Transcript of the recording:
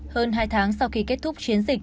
hơn hai tháng sau khi kết thúc chiến dịch